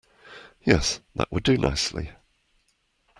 Yes, that would do nicely.